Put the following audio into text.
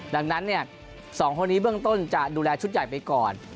ดังนั้น๒คนนี้เบื้องต้นจะดูแลชุดใหญ่ไปก่อน